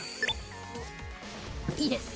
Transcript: いいです。